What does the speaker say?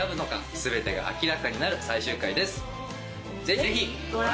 すべてが明らかになる最終回です。